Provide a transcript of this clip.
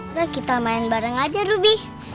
udah kita main bareng aja ruby